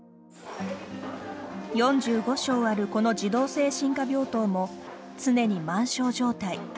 ４５床あるこの児童精神科病棟も常に満床状態。